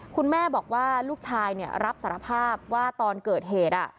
คุณแม่บอกว่าลูกชายรับสารภาพว่าตอนเกิดเหตุ